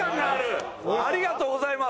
ありがとうございます！